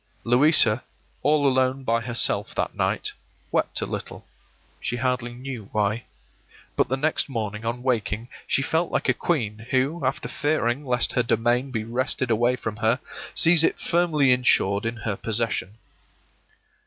Louisa, all alone by herself that night, wept a little, she hardly knew why; but the next morning, on waking, she felt like a queen who, after fearing lest her domain be wrested away from her, sees it firmly insured in her possession.